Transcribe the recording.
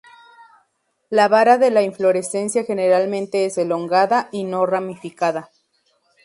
La vara de la inflorescencia generalmente es elongada y no ramificada.